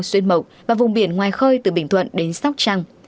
xuyên mộc và vùng biển ngoài khơi từ bình thuận đến sóc trăng